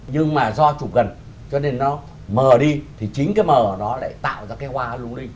nhưng mà do chụp gần cho nên nó mờ đi thì chính cái mờ nó lại tạo ra cái hoa luôn đi